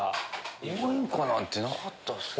応援歌なんてなかったっすね。